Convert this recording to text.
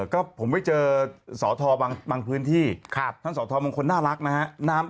ก็ผมไปเจอสอทอบางพื้นที่ท่านสอทอบางคนน่ารักนะฮะ